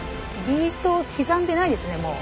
ビートを刻んでないですねもう。